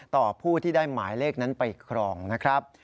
ต่อผู้ที่ได้หมายเลขนั้นไปครองนะครับ